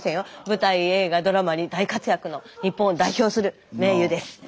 舞台映画ドラマに大活躍の日本を代表する名優です。